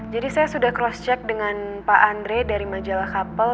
jadi saya sudah cross check dengan pak andre dari majalah kapel